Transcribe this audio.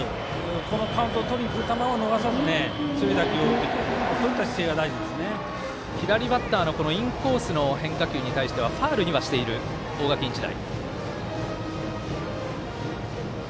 ここのカウントをとる球を逃さず強い打球を打っていく左バッターのインコースの変化球に対してはファウルにはしている大垣日大。